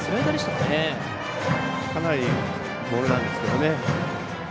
かなりボールなんですけどね。